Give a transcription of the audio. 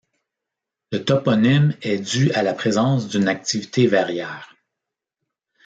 Le toponyme est dû à la présence d'une activité verrière.